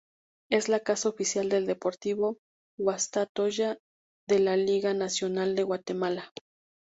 Es la casa oficial del Deportivo Guastatoya de la Liga Nacional de Guatemala.